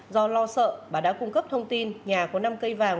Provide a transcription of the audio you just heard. do lo sợ bà đã cung cấp thông tin nhà có năm cây vàng